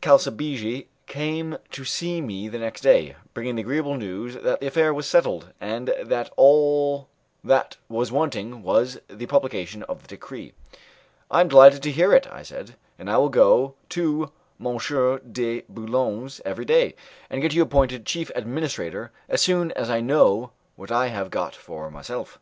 Calsabigi came to see me the next day, bringing the agreeable news that the affair was settled, and that all that was wanting was the publication of the decree. "I am delighted to hear it," I said, "and I will go to M. de Boulogne's every day, and get you appointed chief administrator as soon as I know what I have got for myself."